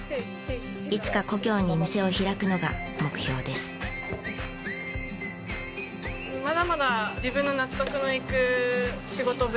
いつか故郷に店を開くのが目標です。って思います。